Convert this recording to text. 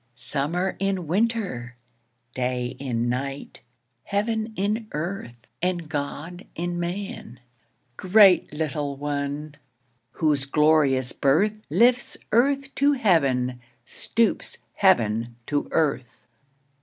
Summer in winter! Day in night! Heaven in Earth! and God in Man! Great little one, whose glorious birth, Lifts Earth to Heaven, stoops heaven to earth.